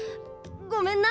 ごめんな。